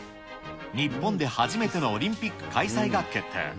日本で初めてのオリンピック開催が決定。